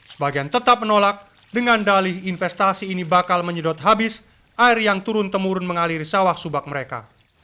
sebagian tetap menolak dengan dalih investasi ini bakal menyedot habis air yang turun temurun mengaliri sawah subak mereka